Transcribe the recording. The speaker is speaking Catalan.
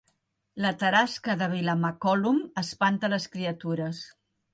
La tarasca de Vilamacolum espanta les criatures